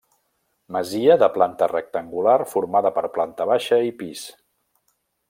Masia de planta rectangular formada per planta baixa i pis.